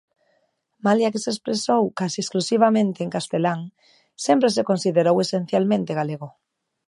Malia que se expresou case exclusivamente en castelán, sempre se considerou esencialmente galego.